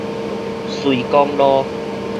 瑞光路